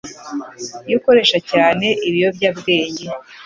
iyo ukoresha cyane ibiyobyabwenge